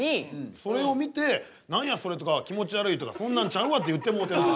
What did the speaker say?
それを見て何やそれとか気持ちわるいとかそんなんちゃうわって言ってもうてる。